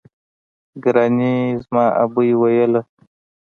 ګراني زما ابۍ ويله